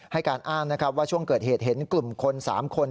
ให้การอ้างนะครับว่าช่วงเกิดเหตุเห็นกลุ่มคน๓คน